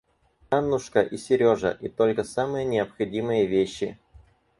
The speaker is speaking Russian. Аннушка и Сережа, и только самые необходимые вещи.